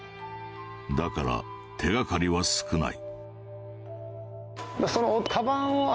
だから手がかりは少ない。